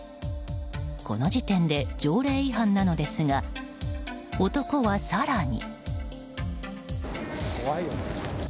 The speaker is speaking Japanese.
この時点で条例違反なのですが男は、更に。